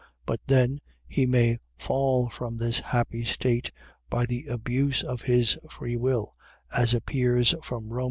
But then he may fall from this happy state, by the abuse of his free will, as appears from Rom.